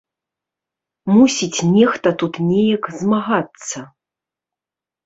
Мусіць нехта тут неяк змагацца.